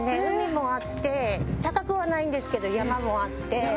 海もあって高くはないんですけど山もあって。